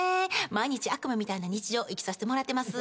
毎日悪夢みたいな日常生きさせてもらってます。